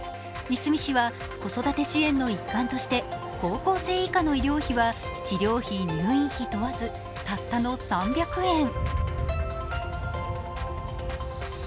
いすみ市は子育て支援の一環として高校生以下の医療費は治療費、入院費問わずたったの３００円。